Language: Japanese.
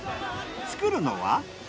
作るのは。